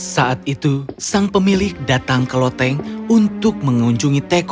saat itu sang pemilik datang ke loteng untuk mengunjungi teko